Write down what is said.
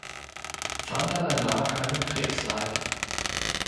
Zander erlag einem Krebsleiden.